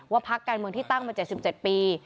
พักการเมืองที่ตั้งมา๗๗ปี